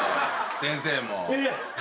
先生も。